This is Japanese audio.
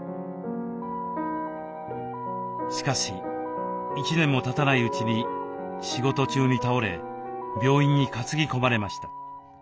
しかし１年もたたないうちに仕事中に倒れ病院に担ぎ込まれました。